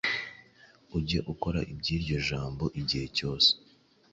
Ujye ukora iby’iryo jambo! Igihe cyose